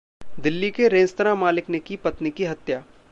दिल्ली के रेस्तरां मालिक ने की पत्नी की हत्या